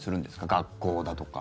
学校だとか。